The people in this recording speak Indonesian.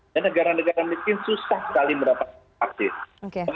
dan negara negara mungkin susah sekali mendapatkan vaksin